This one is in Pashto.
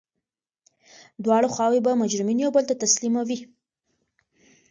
دواړه خواوي به مجرمین یو بل ته تسلیموي.